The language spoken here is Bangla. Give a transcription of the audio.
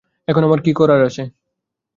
এখন আমার কী করার আছে?